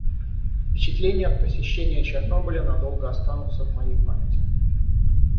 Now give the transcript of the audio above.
Впечатления от посещения Чернобыля надолго останутся в моей памяти.